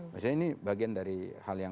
maksudnya ini bagian dari hal yang